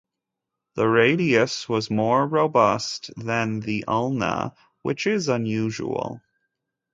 The radius was more robust than the ulna, which is unusual.